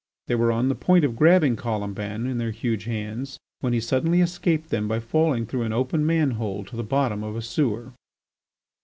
They were on the point of grabbing Colomban in their huge hands when he suddenly escaped them by falling through an open man hole to the bottom of a sewer.